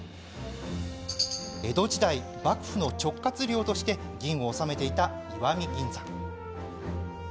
江戸時代、幕府の直轄領として銀を納めていた石見銀山。